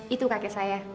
itu kakek saya